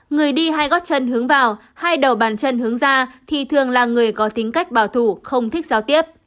người đi hai gót chân hướng vào hai đầu bàn chân hướng ra thì thường là người có tính cách bảo thủ không thích giao tiếp